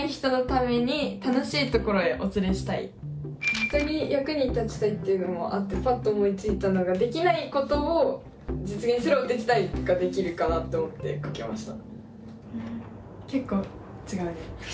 人の役に立ちたいというのもあってぱっと思いついたのができないことを実現するお手伝いができるかなと思って書きました。